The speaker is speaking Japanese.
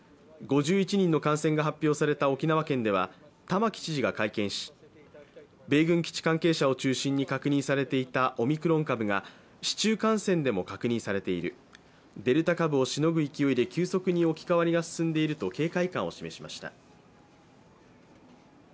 ５１人の感染が発表された沖縄県では玉城知事が会見し、米軍基地関係者を中心に確認されていたオミクロン株が市中感染でも確認されている、デルタ株をしのぐ勢いで急速に置き換わりが進んでいると警戒感を示しました。